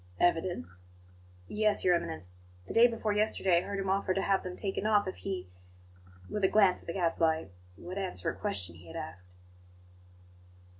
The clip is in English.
"Evidence?" "Yes, Your Eminence; the day before yesterday I heard him offer to have them taken off if he" with a glance at the Gadfly "would answer a question he had asked."